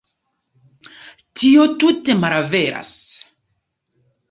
Tio tute malveras.